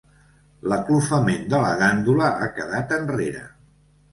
L'aclofament de la gandula ha quedat enrere.